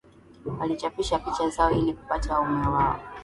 walichapisha picha zao ili kupata wanaume wao